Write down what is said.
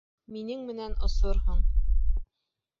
Минең менән осорһоң.